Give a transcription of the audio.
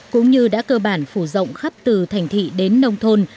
cũng như đã cơ bản phủ rộng khắp từ thành thị đến nông thôn